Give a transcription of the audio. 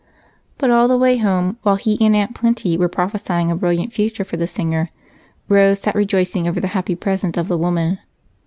But all the way home, while he and Aunt Plenty were prophesying a brilliant future for the singer, Rose sat rejoicing over the happy present of the woman.